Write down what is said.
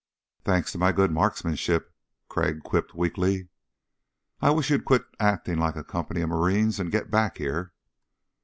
"Thanks to my good marksmanship," Crag quipped weakly. "I wish you'd quit acting like a company of Marines and get back here."